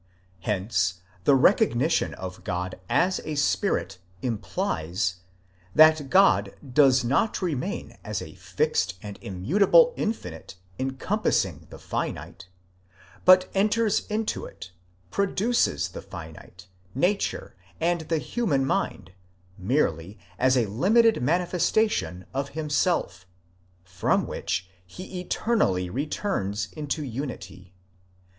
Hence the recognition of God as a spirit implies, that God does not remain as a fixed and immutable Infinite encom passing the Finite, but enters into it, produces the Finite, Nature, and the human mind, merely as a limited manifestation of himself, from which he eternally returns into unity.